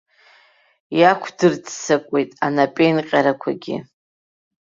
Иақәдырццакуеит анапеинҟьарақәагьы.